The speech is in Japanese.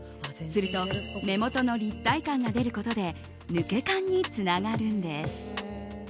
すると目元の立体感が出ることで抜け感につながるんです。